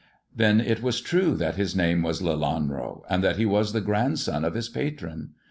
Then it was true that his name was Lelanro, and that he was the grandson of his patron.